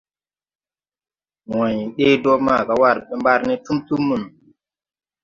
Way ɗee do maaga war ɓe mbar ne tum tum mono.